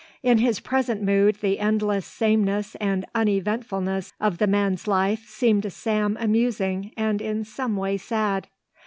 In his present mood the endless sameness and uneventfulness of the man's life seemed to Sam amusing and in some way sad.